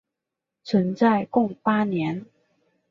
存在共八年。